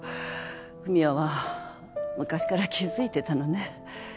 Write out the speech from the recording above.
文哉は昔から気付いてたのね。